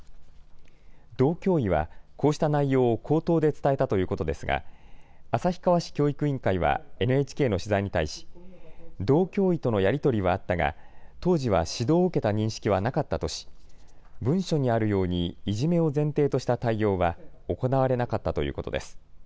道教委は、こうした内容を口頭で伝えたということですが旭川市教育委員会はＮＨＫの取材に対し道教委とのやり取りはあったが当時は指導を受けた認識はなかったとし、文書にあるようにいじめを前提とした対応は行われなかったということです。